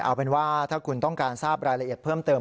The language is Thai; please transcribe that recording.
เอาเป็นว่าถ้าคุณต้องการทราบรายละเอียดเพิ่มเติม